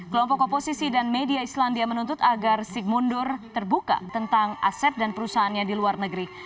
kelompok oposisi dan media islandia menuntut agar sig mundur terbuka tentang aset dan perusahaannya di luar negeri